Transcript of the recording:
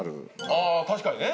ああ確かにね。